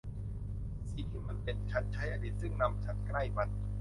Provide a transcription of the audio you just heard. สิ่งที่มันเป็น ฉันใช้อดีตซึ่งนำฉันใกล้มัน